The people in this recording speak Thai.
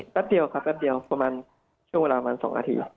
แป๊บเดียวครับแป๊บเดียวประมาณช่วงเวลาประมาณ๒นาที